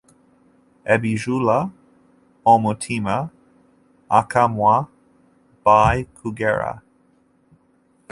Ebijjula omutima akamwa bye koogera.